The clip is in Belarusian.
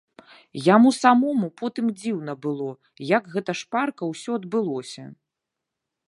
Яму самому потым дзіўна было, як гэта шпарка ўсё адбылося.